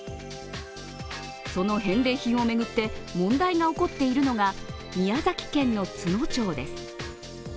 その返礼品を巡って、問題が起こっているのが宮崎県の都農町です。